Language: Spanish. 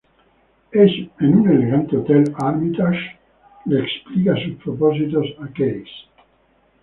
En un elegante hotel Armitage le explica sus propósitos a Case.